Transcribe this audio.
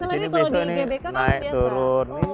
di sini besok ini naik turun